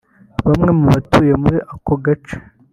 Bamwe mu batuye muri aka gace